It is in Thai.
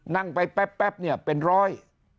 นั่งไปแป๊บเนี่ยเป็นร้อย